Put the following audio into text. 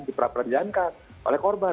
diperadilankan oleh korban